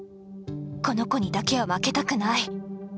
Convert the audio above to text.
この子にだけは負けたくない。